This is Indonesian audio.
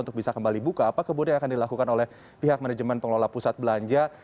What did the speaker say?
untuk bisa kembali buka apa kemudian yang akan dilakukan oleh pihak manajemen pengelola pusat belanja